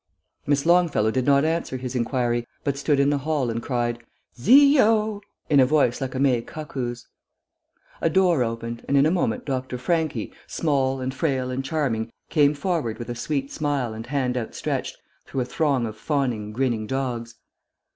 Miss Longfellow did not answer his inquiry, but stood in the hall and cried, "Zio!" in a voice like a May cuckoo's. A door opened, and in a moment Dr. Franchi, small and frail and charming, came forward with a sweet smile and hand outstretched, through a throng of fawning, grinning dogs.